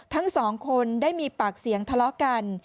ทั้งสองคนได้มีปากเสียงทะเลาะกัน